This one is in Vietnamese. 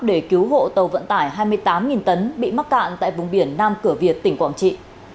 để cứu hộ tàu vận tải hai mươi tám tấn bị mắc cạn tại vùng biển nam cửa việt tỉnh quảng trị